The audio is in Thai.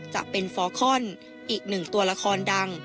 จะเป็นฟอร์คอนอีกหนึ่งตัวละครดัง